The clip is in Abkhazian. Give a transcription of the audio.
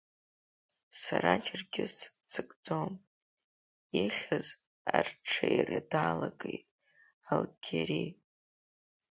Сара џьаргьы сыццакӡом, ихьыз арҽеира далагеит Алгьери.